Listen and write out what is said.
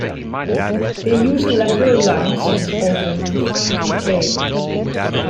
They use a lateral line sense organ for finding prey.